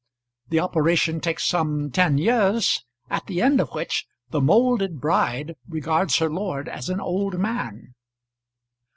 The operation takes some ten years, at the end of which the moulded bride regards her lord as an old man.